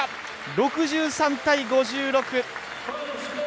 ６３対５６。